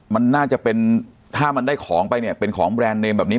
มันน่าจะเป็นถ้ามันได้ของไปเนี่ยเป็นของแบรนด์เนมแบบนี้